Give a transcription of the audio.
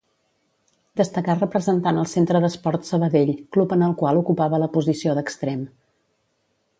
Destacà representant el Centre d'Esports Sabadell, club en el qual ocupava la posició d'extrem.